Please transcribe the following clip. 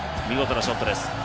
見事なショットです。